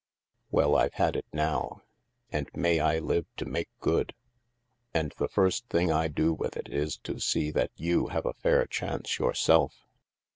" Well, I've had it now. And may I live to make good! And the first thing I do with it is to see that you have a fair chance yourself."